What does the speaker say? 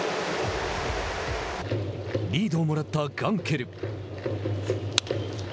リードをもらったガンケル。